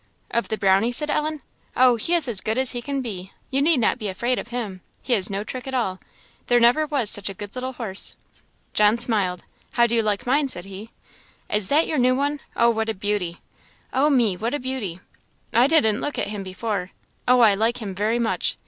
"Of the Brownie?" said Ellen "oh, he is as good as he can be; you need not be afraid of him; he has no trick at all; there never was such a good little horse." John smiled. "How do you like mine?" said he. "Is that your new one? Oh, what a beauty! Oh me, what a beauty! I didn't look at him before. Oh, I like him very much!